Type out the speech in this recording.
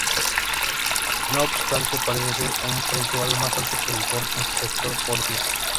No obstante, parece ser un precio algo más alto que el Ford Interceptor Policía.